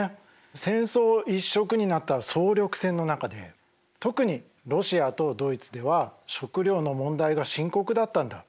戦争一色になった総力戦の中で特にロシアとドイツでは食料の問題が深刻だったんだ。